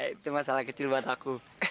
itu masalah kecil buat aku